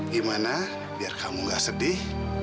gimana biar kamu gak sedih